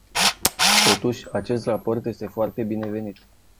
Totuși, acest raport este foarte binevenit.